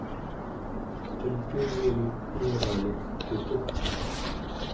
tuntuviim enranek pukugtuq